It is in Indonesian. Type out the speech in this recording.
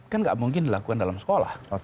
kan nggak mungkin dilakukan dalam sekolah